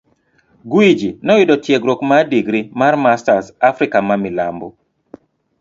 Gwiji noyudo tiegruok mar digri mar masters Africa ma Milambo.